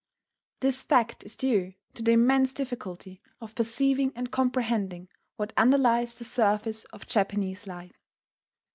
This fact is due to the immense difficulty of perceiving and comprehending what underlies the surface of Japanese life.